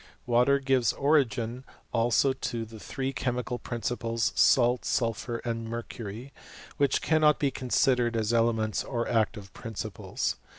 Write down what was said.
Water gives origin also to the three chemical principles, salt, sulphur, and mer cury, which cannot be considered as elements or active principles.